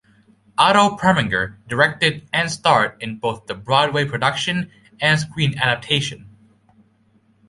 Otto Preminger directed and starred in both the Broadway production and screen adaptation.